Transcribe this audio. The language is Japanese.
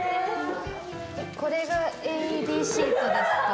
これがＡＥＤシートですか？